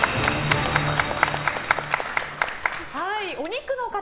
お肉の塊